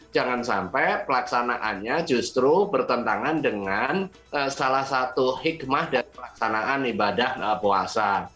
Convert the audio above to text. jangan sampai pelaksanaannya justru bertentangan dengan salah satu hikmah dari pelaksanaan ibadah puasa